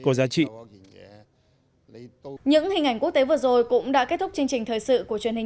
có giá trị những hình ảnh quốc tế vừa rồi cũng đã kết thúc chương trình thời sự của truyền hình